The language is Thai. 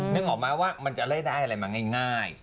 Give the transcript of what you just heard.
นึกออกมาว่ามันจะเล่นอะไรมาง่าย